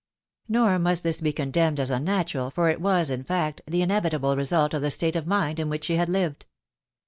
Nor must this be condemned as unnatural, for it was, in fact, the inevitable result of the state of mind in which she had lived.